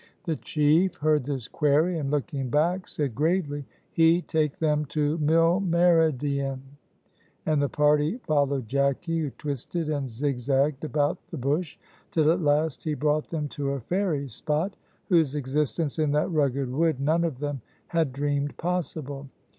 The chief heard this query, and looking back said gravely, "He take them to 'Milmeridien';" and the party followed Jacky, who twisted and zigzagged about the bush till, at last, he brought them to a fairy spot, whose existence in that rugged wood none of them had dreamed possible.